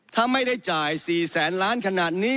ถ้าไม่ได้จ่าย๔แสนล้านขนาดนี้